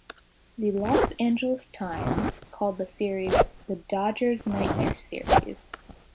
"The Los Angeles Times" called the series "the Dodgers' 'Nightmare Series.